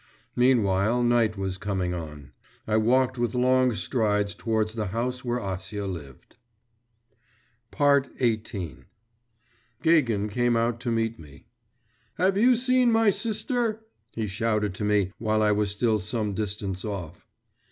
… Meanwhile night was coming on. I walked with long strides towards the house where Acia lived. XVIII Gagin came out to meet me. 'Have you seen my sister?' he shouted to me while I was still some distance off.